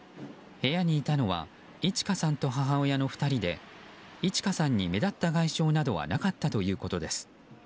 部屋にいたのはいち花さんと母親の２人でいち花さんに目立った外傷などはなかったということです。